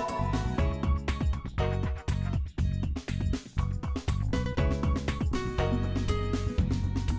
hẹn gặp lại